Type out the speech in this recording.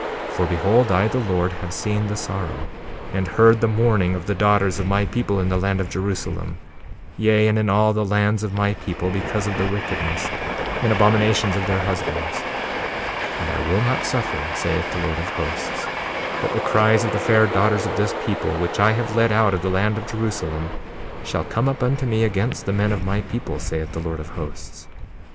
2:31 For behold, I, the Lord, have seen the sorrow, and heard the mourning of the daughters of my people in the land of Jerusalem, yea, and in all the lands of my people, because of the wickedness and abominations of their husbands. 2:32 And I will not suffer, saith the Lord of Hosts, that the cries of the fair daughters of this people, which I have led out of the land of Jerusalem, shall come up unto me against the men of my people, saith the Lord of Hosts.